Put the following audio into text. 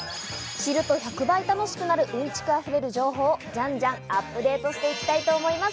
知ると１００倍楽しくなる、うんちく溢れる情報をじゃんじゃんアップデートしていきたいと思います。